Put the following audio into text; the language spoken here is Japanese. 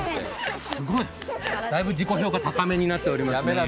すごいな、だいぶ自己評価高めになっておりますね。